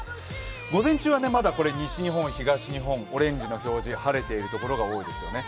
午前中はまだ西日本、東日本、オレンジの表示、晴れているところが多いですよね。